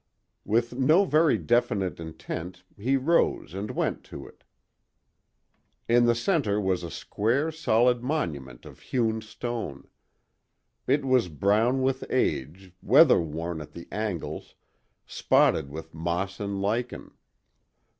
With no very definite intent he rose and went to it. In the center was a square, solid monument of hewn stone. It was brown with age, weather worn at the angles, spotted with moss and lichen.